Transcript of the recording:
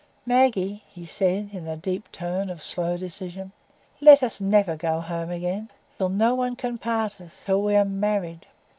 "Maggie," he said, in a deep tone of slow decision, "let us never go home again, till no one can part us,—till we are married."